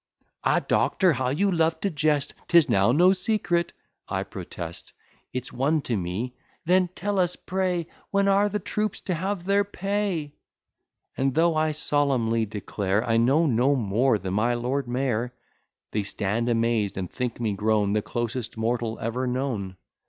"Ah, Doctor, how you love to jest! 'Tis now no secret" I protest It's one to me "Then tell us, pray, When are the troops to have their pay?" And, though I solemnly declare I know no more than my lord mayor, They stand amazed, and think me grown The closest mortal ever known.